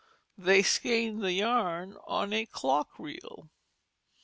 They skeined the yarn on a clock reel.